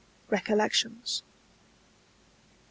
RECOLLECTIONS. I.